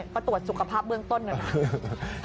ก็ตรวจสุขภาพเบื้องต้นหน่อยนะ